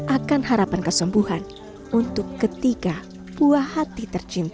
akan harapan kesembuhan untuk ketiga buah hati tercinta